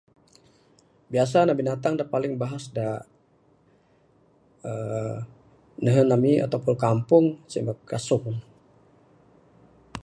Biasa ne binatang da paling bahas da aaa nehen ami ato pun kampung, sien ma kasung.